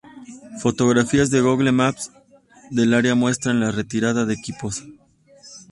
Fotografías de Google Maps del área muestran la retirada de equipos.